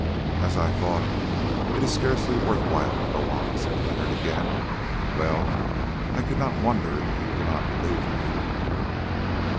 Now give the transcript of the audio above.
"As I thought; it is scarcely worth while to go on," said Leonard again. "Well, I cannot wonder that you do not believe me."